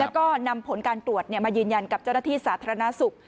แล้วก็นำผลการตรวจมายืนยันกับเจ้าหน้าที่สาธารณสุข